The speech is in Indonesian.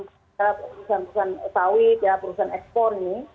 pada perusahaan perusahaan sawit perusahaan ekspor ini